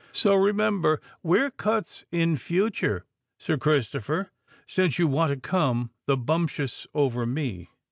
So remember, we're cuts in future, Sir Christopher—since you want to come the bumptious over me."